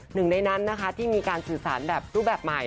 หนึ่งในนั้นนะคะที่มีการสื่อสารแบบรูปแบบใหม่